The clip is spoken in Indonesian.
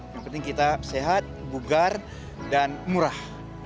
yang penting kita sehat bugar dan murah